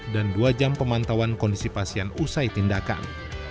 dan dua jam pemantauan kondisi pasien usai tindakan